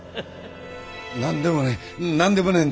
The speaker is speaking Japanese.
何でもねえ。